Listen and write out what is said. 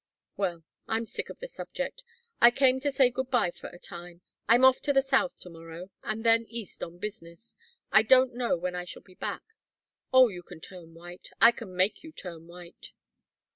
"Well, I'm sick of the subject. I came to say good bye for a time. I'm off to the south to morrow, and then east on business. I don't know when I shall be back Oh, you can turn white I can make you turn white!"